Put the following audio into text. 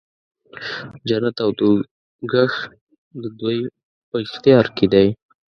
جنت او دوږخ د دوی په اختیار کې دی.